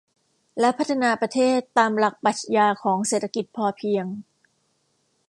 และพัฒนาประเทศตามหลักปรัชญาของเศรษฐกิจพอเพียง